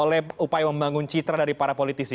oleh upaya membangun citra dari para politisi